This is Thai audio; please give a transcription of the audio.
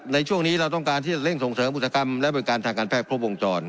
ในช่วงนี้เราต้องการที่จะเร่งส่งเสริมอุตสาหกรรมและบริการทางการแพทย์ครบวงจร